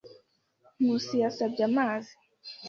Nkusi yasabye amazi.